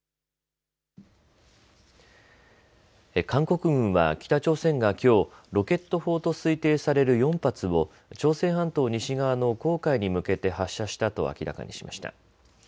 韓国軍は北朝鮮がきょうロケット砲と推定される４発を朝鮮半島西側の黄海に向けて発射したと明らかにしました。